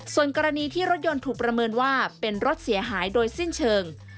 ส่วนกรณีที่รถยนต์ถูกประเมินว่าเป็นรถเสียหายโดยสิ้นเชิง